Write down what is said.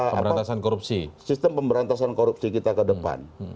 pemberantasan korupsi kita ke depan